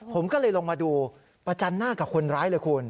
ผมก็เลยลงมาดูประจันหน้ากับคนร้ายเลยคุณ